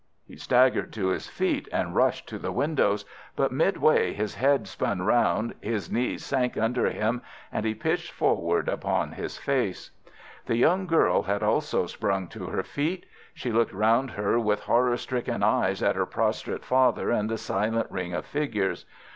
He staggered to his feet and rushed to the windows, but midway his head spun round, his knees sank under him, and he pitched forward upon his face. The young girl had also sprung to her feet. She looked round her with horror stricken eyes at her prostrate father and the silent ring of figures.